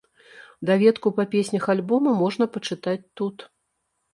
Даведку па песнях альбома можна пачытаць тут.